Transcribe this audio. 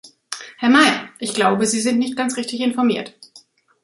Herr Meijer, ich glaube, Sie sind nicht ganz richtig informiert.